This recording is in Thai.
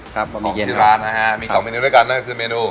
ของที่ร้านนะคะมี๒เมนูด้วยกันนั่นคือเมนู